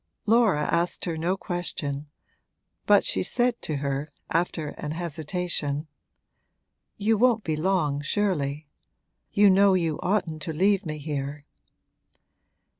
Laura asked her no question, but she said to her, after an hesitation: 'You won't be long, surely. You know you oughtn't to leave me here.'